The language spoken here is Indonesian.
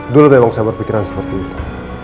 dulu memang saya berpikiran seperti itu